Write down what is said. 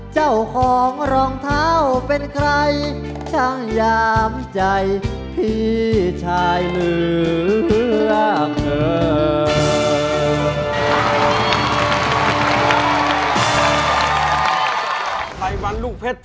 เจ้าของรองเท้าเป็นใครช่างยามใจพี่จ่ายเหลือเกิน